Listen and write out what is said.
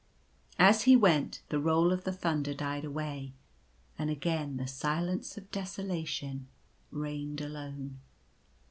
As he went the roll of the thunder died away, and again the silence of desolation reigned alone.